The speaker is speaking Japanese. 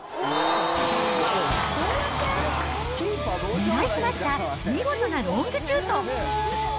狙い澄ました見事なロングシュート。